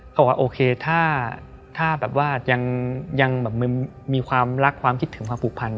เขาบอกว่าโอเคถ้าแบบว่ายังแบบมีความรักความคิดถึงความผูกพัน